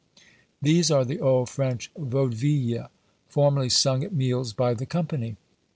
These are the old French Vaudevilles, formerly sung at meals by the company.